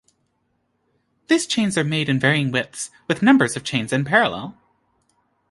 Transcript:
These chains are made in varying widths, with numbers of chains in parallel.